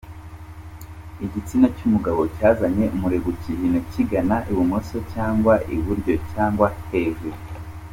Igitsina cy’umugabo cyazanye umurego cyihina kigana ibumoso cyangwa iburyo cyangwa hejuru.